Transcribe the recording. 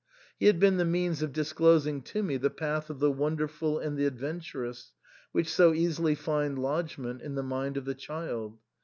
He had been the means of disclosing to me the path of the wonderful and the adventurous, which so easily find lodgment in the mind of the child.